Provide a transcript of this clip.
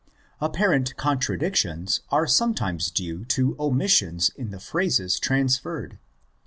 Apparent contradictions are sometimes due to omissions in the phrases transferred.